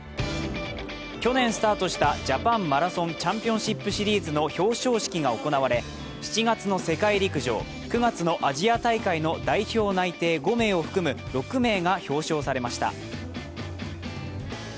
去年スタートしたジャパンマラソンチャンピオンシップシリーズの表彰式が行われ７月の世界陸上、９月のアジア大会の代表内定５名を含む６名が表彰されました。